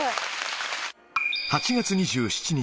８月２７日。